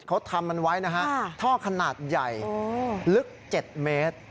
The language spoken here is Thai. เขาทำมันไว้นะฮะท่อขนาดใหญ่ลึก๗เมตร